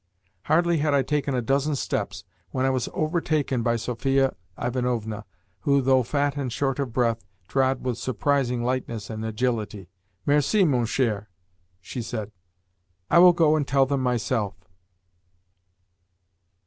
Hardly had I taken a dozen steps when I was overtaken by Sophia Ivanovna, who, though fat and short of breath, trod with surprising lightness and agility. "Merci, mon cher," she said. "I will go and tell them myself."